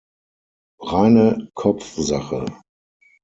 Reine Kopfsache!